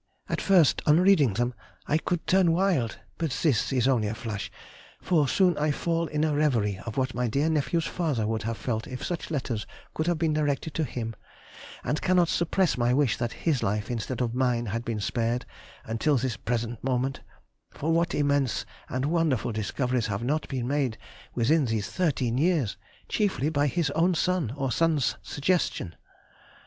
At first, on reading them, I could turn wild, but this is only a flash, for soon I fall in a reverie of what my dear nephew's father would have felt if such letters could have been directed to him, and cannot suppress my wish that his life instead of mine had been spared until this present moment; for what immense and wonderful discoveries have not been made within these thirteen years, chiefly by his own son, or son's suggestion! [Sidenote: 1835. _Present of Constantia.